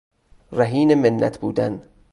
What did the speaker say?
رهین منت بودن